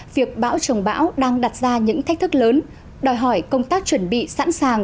việc bão trồng bão đang đặt ra những thách thức lớn đòi hỏi công tác chuẩn bị sẵn sàng